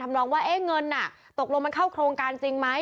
ทำร้องว่าเฮ้เงินน่ะตกลงมันเข้าคราวโครงการจริงไหม